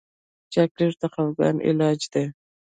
چاکلېټ د خفګان علاج دی.